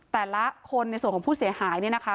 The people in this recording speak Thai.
แต่ละคนในส่วนของผู้เสียหายเนี่ยนะคะ